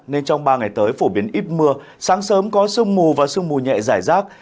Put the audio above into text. nên trong ba ngày tới phổ biến ít mưa sáng sớm có sương mù và sương mù nhẹ giải rác